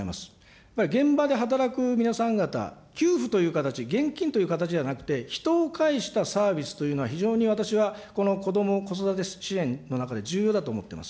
やっぱり現場で働く皆さん方、給付という形、現金という形ではなくて、人を介したサービスというのは、非常に私はこのこども・子育て支援の中で、重要だと思ってます。